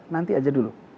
nanti aja dulu